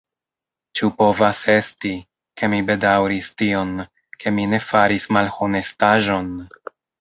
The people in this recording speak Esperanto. Ĉu povas esti, ke mi bedaŭris tion, ke mi ne faris malhonestaĵon?